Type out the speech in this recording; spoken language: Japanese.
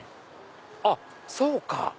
あっそうか。